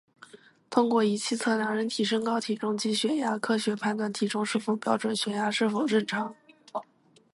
通过仪器测量人体身高、体重及血压，科学判断体重是否标准、血压是否正常